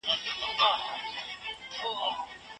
د ژبي سمول له علمي لارښووني څخه په بشپړه توګه بېل کار دی.